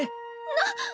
なっ！